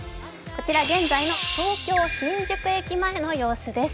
こちら現在の東京・新宿駅前の様子です。